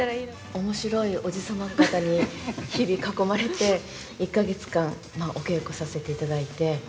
おもしろいおじさま方に日々囲まれて、１か月間、お稽古させていただいて。